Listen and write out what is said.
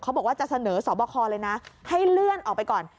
บอกว่าจะเสนอสอบคอเลยนะให้เลื่อนออกไปก่อน